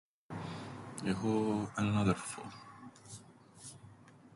Έχω έναν αδερφόν.